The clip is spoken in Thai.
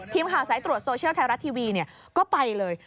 ทีมข่าวสายตรวจโซเชียลไทยรัฐทีวีก็ไปเลย